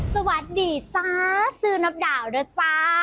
สวัสดีจ้าซื้อนับดาวด้วยจ้า